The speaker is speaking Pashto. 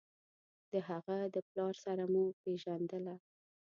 د هغه د پلار سره مو پېژندله.